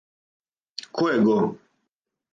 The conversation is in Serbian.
Ко је го?